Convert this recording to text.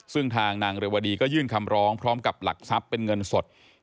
ซึ่งทางนางเรวดีก็ยื่นคำร้องพร้อมกับหลักทรัพย์เป็นเงินสด